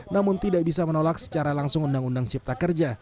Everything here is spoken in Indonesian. namun tidak bisa menolak secara langsung undang undang cipta kerja